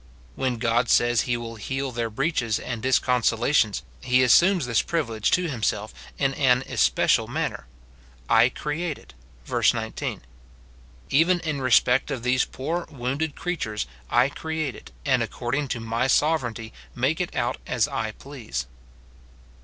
When God says he will heal their breaches and disconso lations, he assumes this privilege to himself in an espe cial manner: "I create it," verse 19; — "Even in re spect of these poor wounded creatures I create it, and according to my sovereignty make it out as I please."